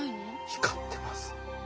光ってます。